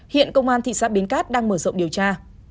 hiện công an thị xã bến cát đang mở rộng điều tra